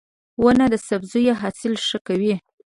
• ونه د سبزیو حاصل ښه کوي.